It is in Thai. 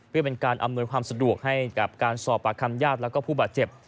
เพื่อเป็นการอำนวยความสะดวกให้กับการสอบปากคำญาติและผู้บาดเจ็บ